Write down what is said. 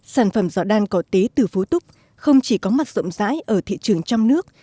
sản phẩm dọ đan có tế từ phú túc không chỉ có mặt rộng rãi ở thị trường trong nước